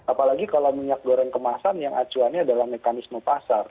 apalagi kalau minyak goreng kemasan yang acuannya adalah mekanisme pasar